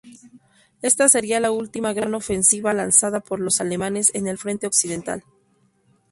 Esta sería la última gran ofensiva lanzada por los alemanes en el Frente Occidental.